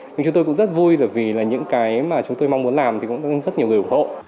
chúng tôi cũng rất vui vì những cái mà chúng tôi mong muốn làm cũng rất nhiều người ủng hộ